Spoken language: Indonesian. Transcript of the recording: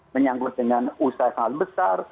menyangkut dengan usaha sangat besar